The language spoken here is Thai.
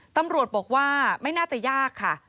ตำรวจบอกว่าไม่น่าจะยากค่ะ